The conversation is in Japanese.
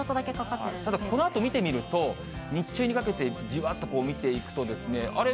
このあと見てみますと、日中にかけてじわっと見ていくと、あれ？